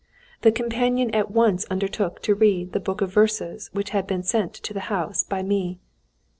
The companion at once undertook to read the book of verses which had been sent to the house by me.